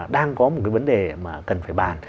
đang có một cái vấn đề mà cần phải bàn